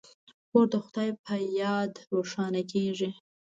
کور د خدای په یاد روښانه کیږي.